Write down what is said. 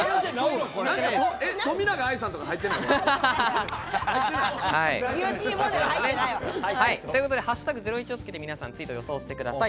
冨永愛さんとか入ってない？ということで「＃ゼロイチ」をつけて皆さんツイートして予想してください。